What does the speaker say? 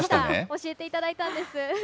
教えていただいたんです。